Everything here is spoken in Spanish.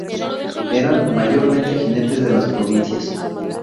Eran mayormente jinetes de las provincias.